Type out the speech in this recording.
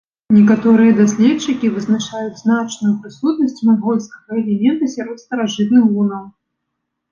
Некаторыя даследчыкі вызначаюць значную прысутнасць мангольскага элемента сярод старажытных гунаў.